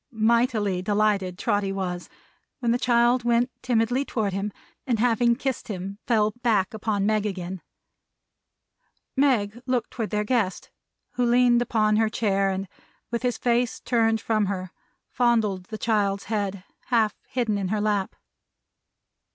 Mightily delighted Trotty was, when the child went timidly toward him, and having kissed him, fell back upon Meg again. Meg looked toward their guest, who leaned upon her chair, and with his face turned from her, fondled the child's head, half hidden in her lap.